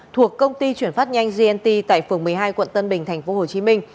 thuộc công ty chuyển phát nhanh gnt tại phường một mươi hai quận tân bình tp hcm